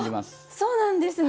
そうなんですね。